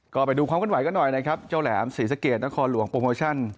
ก็ไปดูความขึ้นไหวกันหน่อยนะครับเจ้าแหลมศรีสะเกดนครหลวงโปรโมชั่น